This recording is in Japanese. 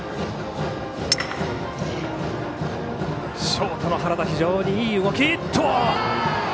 ショートの原田非常にいい動き。